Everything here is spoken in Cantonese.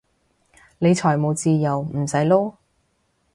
你財務自由唔使撈？